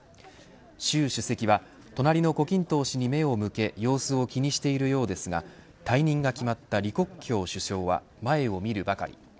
習主席は隣の胡錦濤氏に目を向け様子を気にしているようですが退任が決まった李克強首相は前を見るばかり。